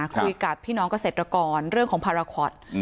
คุยกับพี่น้องเกษตรกรเรื่องของพาราคอต